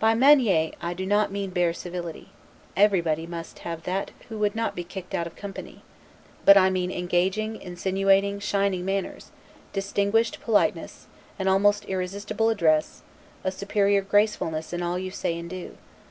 By 'manieres', I do not mean bare common civility; everybody must have that who would not be kicked out of company; but I mean engaging, insinuating, shining manners; distinguished politeness, an almost irresistible address; a superior gracefulness in all you say and do.